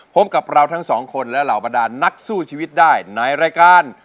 พบกับเราทั้งสองคนและเหล่าบรรดานนักสู้ชีวิตได้ในรายการ